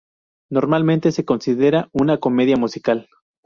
Normalmente se considera una comedia musical.